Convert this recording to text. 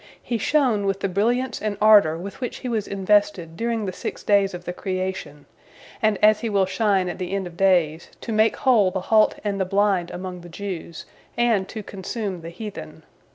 He shone with the brilliance and ardor with which he was invested during the six days of the creation, and as he will shine at the end of days, to make whole the halt and the blind among the Jews and to consume the heathen.